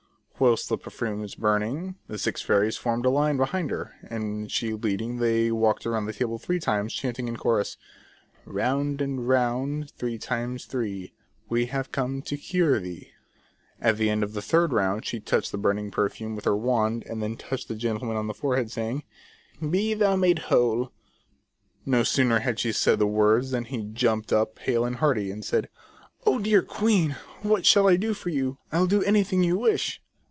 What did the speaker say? Whilst the perfume was burning, the six fairies formed in line behind her, and she leading, they walked round the table three times, chanting in chorus : ''''Round and round three times three, We have come to cure thee." At the end of the third round she touched the burning perfume with her wand, and then touched the gentle man on the head, saying :" Be thou made whole." No sooner had she said the words than he jumped up hale and hearty, and said :" Oh, dear queen, what shall I do for you ? I'll do anything you wish."